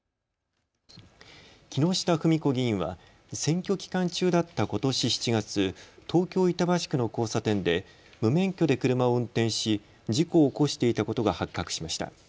木下富美子議員は選挙期間中だったことし７月、東京板橋区の交差点で無免許で車を運転し事故を起こしていたことが発覚しました。